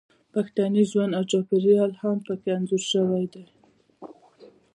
پښتني ژوند او چاپیریال هم پکې انځور شوی دی